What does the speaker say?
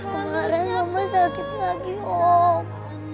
kemaren mama sakit lagi om